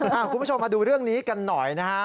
คุณผู้ชมมาดูเรื่องนี้กันหน่อยนะฮะ